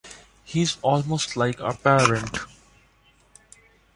He's almost like a parent